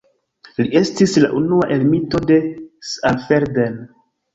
Li estis la unua ermito de Saalfelden.